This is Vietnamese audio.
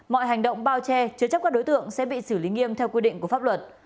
mọi hành động bao che chứa chấp các đối tượng sẽ bị xử lý nghiêm theo quy định của pháp luật